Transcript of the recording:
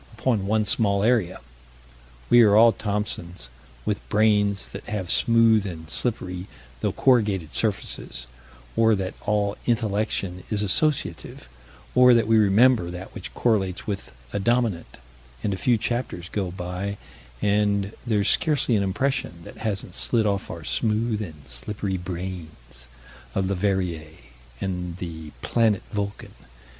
upon one small area. We are all Thomsons, with brains that have smooth and slippery, though corrugated, surfaces or that all intellection is associative or that we remember that which correlates with a dominant and a few chapters go by, and there's scarcely an impression that hasn't slid off our smooth and slippery brains, of Leverrier and the "planet Vulcan."